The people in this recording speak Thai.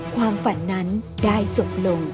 ความฝันนั้นได้จบลง